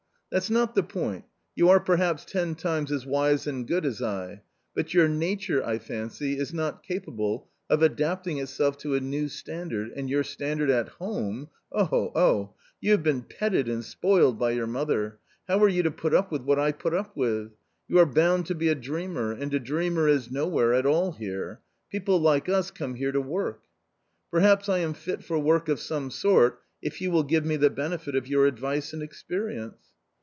'*" That's not the point, you are perhaps ten times as wise and good as I .... but your nature, I fancy, is not capable of adapting itself to a new standard, and your standard at home — oh, oh ! You have been petted and spoiled by your mother ; how are you to put up with what I put up with ? r You are bound to be a dreamer, and a dreamer is nowhere I at all here ; people like us come here to work." " Perhaps I am fit for work of some sort, if you will give me the benefit of your advice and experience."